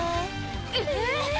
えっ！？